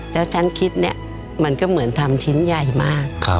แล้วฉันคิดเนี่ยมันก็เหมือนทำชิ้นใหญ่มาก